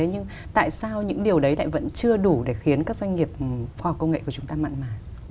nhưng tại sao những điều đấy lại vẫn chưa đủ để khiến các doanh nghiệp khoa học công nghệ của chúng ta mặn mà